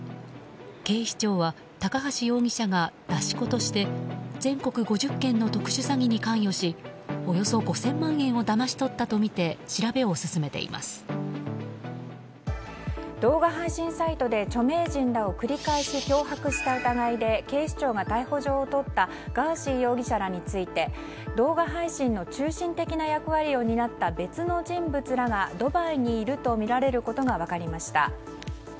警視庁は高橋容疑者が出し子として全国５０件の特殊詐欺に関与しおよそ５０００万円をだまし取ったとみて動画配信サイトで著名人らを繰り返し脅迫した疑いで警視庁が逮捕状を取ったガーシー容疑者らについて動画配信の中心的な役割を担った別の人物らがドバイにいるとみられることが分かりました。